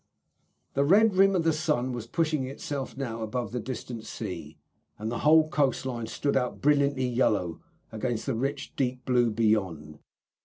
The red rim of the sun was pushing itself now above the distant sea, and the whole coast line stood out brilliantly yellow against the rich deep blue beyond.